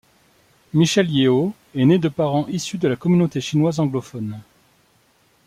Michelle Yeoh est née de parents issus de la communauté chinoise anglophone.